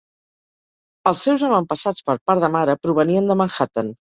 Els seus avantpassats per part de mare provenien de Manhattan.